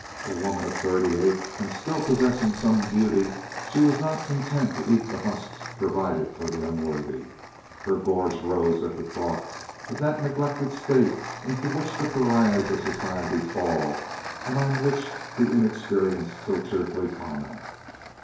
A woman of thirty eight and still possessing some beauty, she was not content to eat the husks provided for the unworthy. Her gorge rose at the thought of that neglected state into which the pariahs of society fall and on which the inexperienced so cheerfully comment.